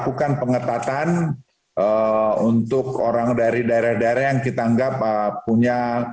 lakukan pengetatan untuk orang dari daerah daerah yang kita anggap punya